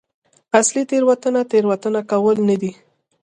اصلي تېروتنه تېروتنه کول نه دي.